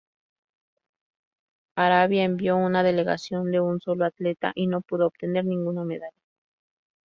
Arabia envió una delegación de un solo atleta, y no pudo obtener ninguna medalla.